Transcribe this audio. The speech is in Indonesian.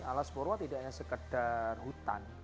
alaspurwo tidak hanya sekedar hutan